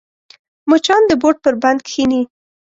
مچان د بوټ پر بند کښېني